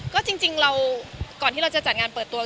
ก็จริงเราก่อนที่เราจะจัดงานเปิดตัว